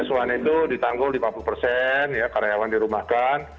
ssi itu ditanggung lima puluh persen ya karyawan dirumahkan